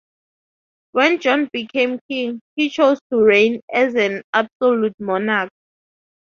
When John became king, he chose to reign as an absolute monarch.